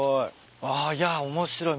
あっいや面白い。